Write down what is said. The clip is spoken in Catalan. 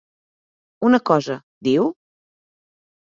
Una cosa, diu?